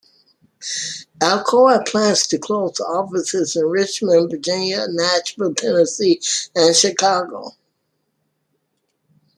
Alcoa plans to close offices in Richmond, Virginia; Nashville, Tennessee; and Chicago.